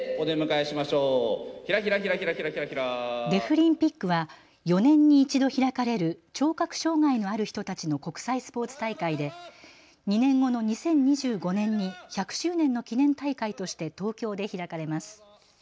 デフリンピックは４年に１度開かれる聴覚障害のある人たちの国際スポーツ大会で２年後の２０２５年に１００周年の記念大会として東京で開かれます。